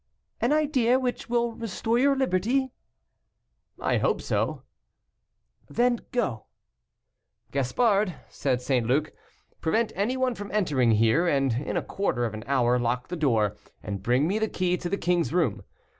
"An idea which will restore your liberty?" "I hope so." "Then go," "Gaspard," said St. Luc, "prevent any one from entering here, and in a quarter of an hour lock the door, and bring me the key to the king's room.